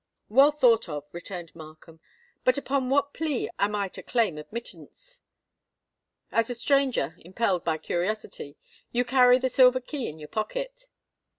"Well thought of," returned Markham. "But upon what plea am I to claim admittance?" "As a stranger, impelled by curiosity. You carry the silver key in your pocket."